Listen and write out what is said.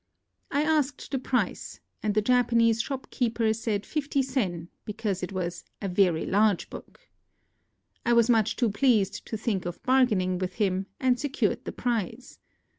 I asked the price ; and the Japanese shopkeeper said fifty sen, because it was "a very large book." I was much too pleased to think of bargaining with him, and secured the prize.